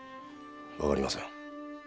わかりません。